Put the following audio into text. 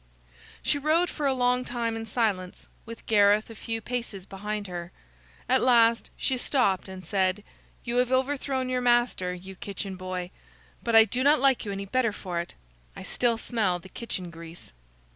She rode for a long time in silence, with Gareth a few paces behind her. At last she stopped and said: "You have overthrown your master, you kitchen boy, but I do not like you any better for it. I still smell the kitchen grease."